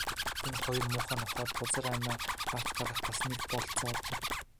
Энэ хоёр муухай нохойд бузар амиа авч гарах бас нэг бололцоо олгоё.